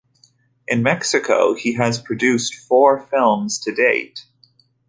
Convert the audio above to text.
In Mexico he has produced four films to date.